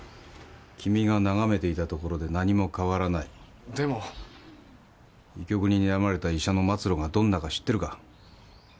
君がながめていたところで何も変わらない医局ににらまれた医者の末路がどんなか知ってるか？